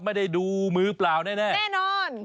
ไม่ได้ดูมือเปล่าแน่แน่นอน